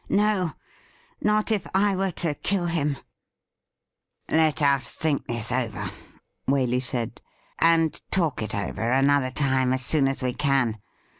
No, not if I were to kill him !'' Let us think this over,' Waley said, ' and talk it over another time, as soon as we can.